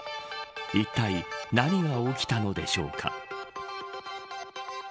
いったい何が起きたのでしょうか。